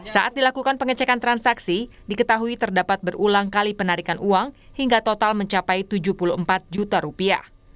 saat dilakukan pengecekan transaksi diketahui terdapat berulang kali penarikan uang hingga total mencapai tujuh puluh empat juta rupiah